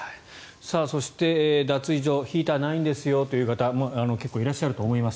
そして、脱衣所ヒーターないんですよという方結構いらっしゃると思います。